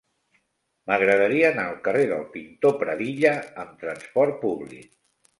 M'agradaria anar al carrer del Pintor Pradilla amb trasport públic.